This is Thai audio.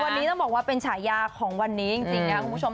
วันนี้ต้องบอกว่าเป็นฉายาของวันนี้จริงนะครับคุณผู้ชม